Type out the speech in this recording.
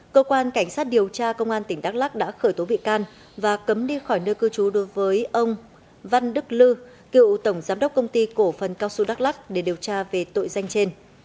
cơ quan cảnh sát điều tra công an tỉnh đắk lắc đã khởi tố bị can và cấm đi khỏi nơi cư trú đối với ông văn đức lư cựu tổng giám đốc công ty cổ phần cao xu đắk lắc để điều tra về tội danh trên